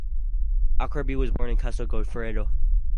Acerbi was born in Castel Goffredo.